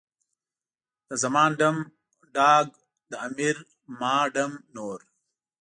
د زمان ډم، ډاګ، د امیر ما ډم نور.